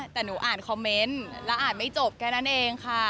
แต่หนูอ่านคอมเมนต์แล้วอ่านไม่จบแค่นั้นเองค่ะ